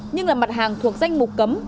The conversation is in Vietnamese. nhưng là mặt hàng thuộc danh mục cấm